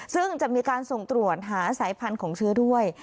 ซึ่งจะมีการส่งตรวจหาสายพันธุ์ของเชื้อด้วย